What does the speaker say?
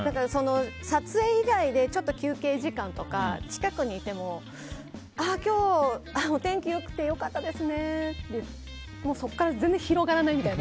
撮影以外でちょっと休憩時間とか近くにいても今日、お天気良くて良かったですねってそこから全然広がらないみたいな。